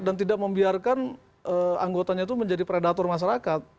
dan tidak membiarkan anggotanya itu menjadi predator masyarakat